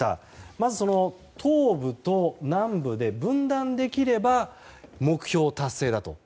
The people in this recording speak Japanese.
まず、東部と南部で分断できれば目標達成だと。